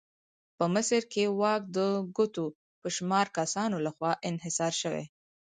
په مصر کې واک د ګوتو په شمار کسانو لخوا انحصار شوی.